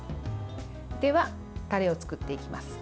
ではタレを作っていきます。